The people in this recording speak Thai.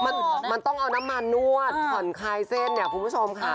มันมันต้องเอาน้ำมันนวดผ่อนคลายเส้นเนี่ยคุณผู้ชมค่ะ